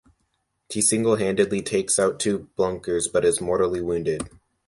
He single-handedly takes out two bunkers but is mortally wounded.